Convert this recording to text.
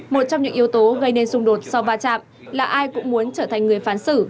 một trong những yếu tố gây nên xung đột sau va chạm là ai cũng muốn trở thành người phán xử